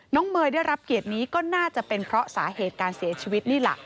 เมย์ได้รับเกียรตินี้ก็น่าจะเป็นเพราะสาเหตุการเสียชีวิตนี่ล่ะ